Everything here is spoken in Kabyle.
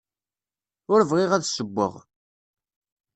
Ur bɣiɣ ad ssewweɣ.